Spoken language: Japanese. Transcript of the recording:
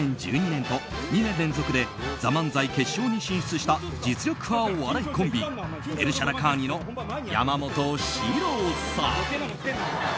２０１１年、２０１２年と２年連続で「ＴＨＥＭＡＮＺＡＩ」決勝に進出した実力派お笑いコンビエルシャラカーニの山本しろうさん。